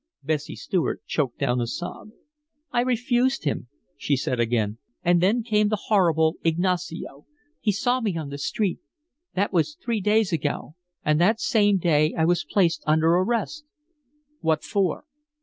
Bessie Stuart choked down a sob. "I refused him," she said again. "And then came the horrible Ignacio. He saw me on the street. That was three days ago; and that same day I was placed under arrest." "What for?"